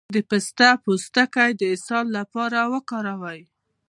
د پسته پوستکی د اسهال لپاره وکاروئ